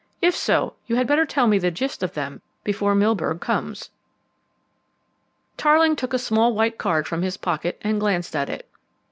If so, you had better tell me the gist of them before Milburgh comes." Tarling took a small white card from his pocket and glanced at it.